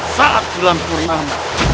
saat jelang purian